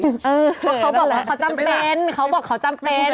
เพราะเขาบอกว่าเขาจำเป็นเขาบอกเขาจำเป็น